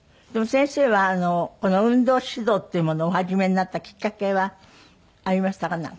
でも先生はこの運動指導っていうものをお始めになったきっかけはありましたか？